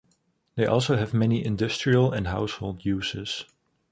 They also have many industrial and household uses.